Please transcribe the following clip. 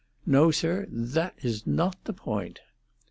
No, sir, that is not the point."